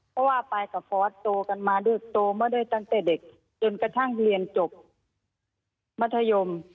เพราะว่าปายกับสปอร์ตโตกันมาโตไม่ได้ตั้งแต่เด็กจนกระทั่งเรียนจบมัธยม